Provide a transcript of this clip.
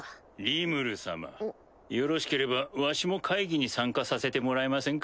・リムル様・よろしければわしも会議に参加させてもらえませんか？